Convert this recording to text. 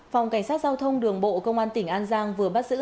phòng cảnh sát giao thông đường bộ công an tỉnh an giang vừa bắt giữ